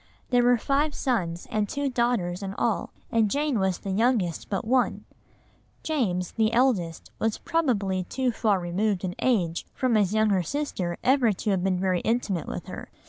There were five sons and two daughters in all, and Jane was the youngest but one. (See Table, p. 326.) James, the eldest, was probably too far removed in age from his younger sister ever to have been very intimate with her.